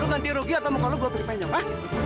lu ganti rugi atau maka lo gue beri penjaga